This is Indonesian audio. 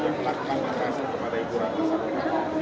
yang melakukan perkerasan kepada ibu rakyat